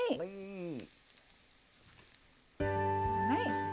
はい。